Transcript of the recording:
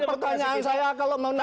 apakah pertanyaan saya kalau mengenal